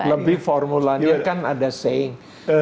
lebih formulanya kan ada saing